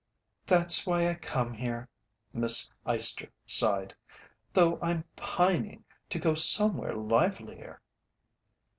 "That's why I come here," Miss Eyester sighed, "though I'm pining to go somewhere livelier."